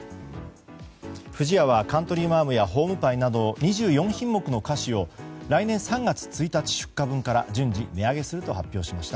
不二家はカントリーマアムやホームパイなど２４品目の菓子を来年３月１日出荷分から順次値上げすると発表しました。